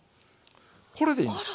これでいいんです。